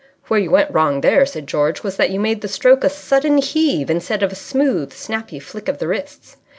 "Where you went wrong there," said George, "was that you made the stroke a sudden heave instead of a smooth, snappy flick of the wrists.